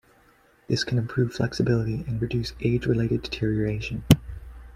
This can improve flexibility and reduce age-related deterioration.